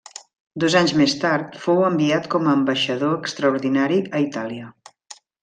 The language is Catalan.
Dos anys més tard fou enviat com a ambaixador extraordinari a Itàlia.